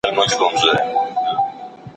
چا او چا بايللى لاس او سترگه دواړه